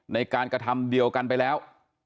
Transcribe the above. ในการกระทำเดียวกันไปแล้ว